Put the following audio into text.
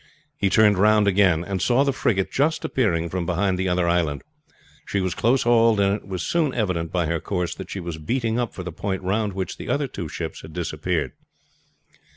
He turned round again and saw the frigate just appearing from behind the other island. She was close hauled, and it was soon evident by her course that she was beating up for the point round which the other two ships had disappeared.